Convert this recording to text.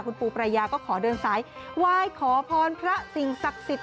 คุณปูปรายาก็ขอเดินสายไหว้ขอพรพระสิ่งศักดิ์สิทธิ